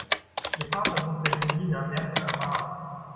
Ihr Vater musste Julina mehrfach ermahnen.